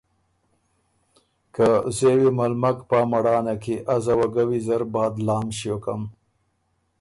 که ”زېوی مل مک پا مړانه کی ازه وه ګۀ ویزر بادلام ݭیوکم“